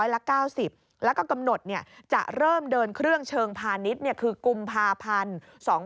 แล้วก็กำหนดจะเริ่มเดินเครื่องเชิงพาณิชย์คือกุมภาพันธ์๒๕๖๒